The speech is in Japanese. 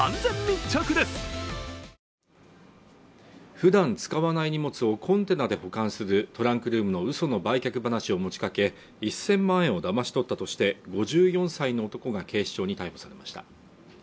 普段使わない荷物をコンテナで保管する、トランクルームの嘘の売却話を持ちかけ１０００万円をだまし取ったとして、５４歳の男が警視庁に逮捕されました。